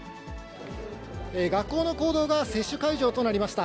学校の講堂が接種会場となりました。